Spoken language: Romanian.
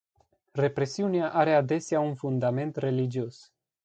Represiunea are adesea un fundament religios.